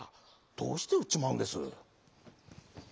どうしてうっちまうんです？」。